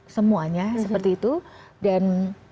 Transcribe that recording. semuanya seperti itu dan